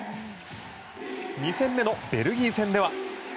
２戦目のベルギー戦では。